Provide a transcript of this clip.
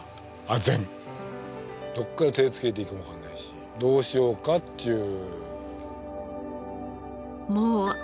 あぜんどっから手つけていいかもわかんないしどうしようかっちゅう。